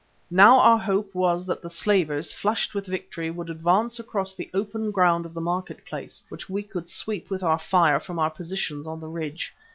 Now our hope was that the slavers, flushed with victory, would advance across the open ground of the market place, which we could sweep with our fire from our position on the ridge.